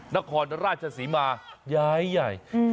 นครราชศรีมาย้ายใหญ่